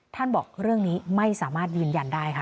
บอกเรื่องนี้ไม่สามารถยืนยันได้ค่ะ